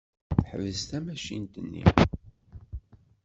Teḥbes tamacint-nni.